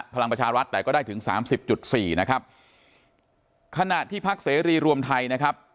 พลังประชารัฐแต่ก็ได้ถึงสามสิบจุดสี่นะครับขณะที่พักเสรีรวมไทยนะครับ